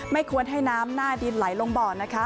ไม่ควรให้น้ำหน้าดินไหลลงบ่อนะคะ